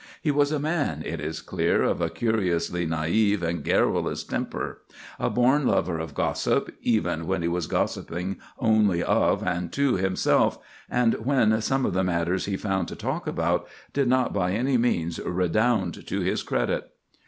He was a man, it is clear, of a curiously naïve and garrulous temper, a born lover of gossip, even when he was gossiping only of and to himself, and when some of the matters he found to talk about did not by any means redound to his credit.